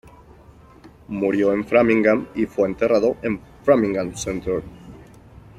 Murió en Framingham y fue enterrado en "Framingham Centre".